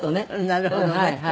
なるほどね。